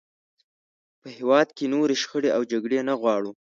په هېواد کې نورې شخړې او جګړې نه غواړو.